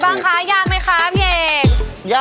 อ่ะหยิบใส่เลย